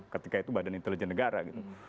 ketika itu badan intelijen negara gitu